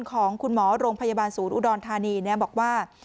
ของคุณหมอโรงพยาบาลศูนย์อุดรธานีบอกว่า